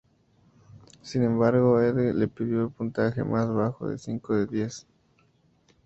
Sin embargo, "Edge" le dio el puntaje más bajo de cinco de diez.